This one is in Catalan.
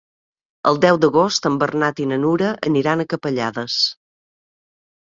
El deu d'agost en Bernat i na Nura aniran a Capellades.